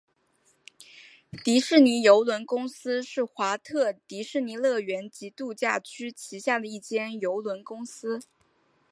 迪士尼邮轮公司是华特迪士尼乐园及度假区旗下的一间邮轮公司。